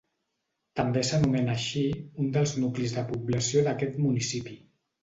També s'anomena així un dels nuclis de població d'aquest municipi.